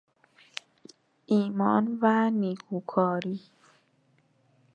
ایمان و نیکوکاری